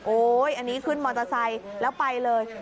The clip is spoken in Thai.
อันนี้ขึ้นมอเตอร์ไซค์แล้วไปเลย